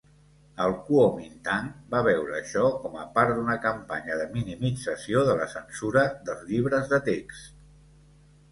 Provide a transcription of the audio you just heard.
El Kuomintang va veure això com a part d'una campanya de minimització de la censura dels llibres de text.